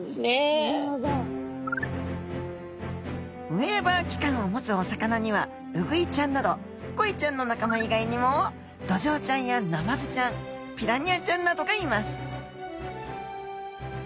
ウェーバー器官を持つお魚にはウグイちゃんなどコイちゃんの仲間以外にもドジョウちゃんやナマズちゃんピラニアちゃんなどがいます。